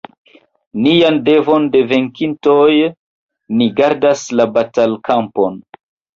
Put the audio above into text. Nian devon de venkintoj: ni gardas la batalkampon!